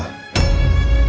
riki di penjara